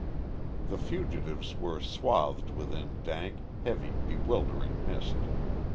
The fugitives were swathed within dank, heavy, bewildering mist.